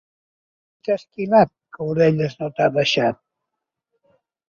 Qui t'ha esquilat, que orelles no t'ha deixat?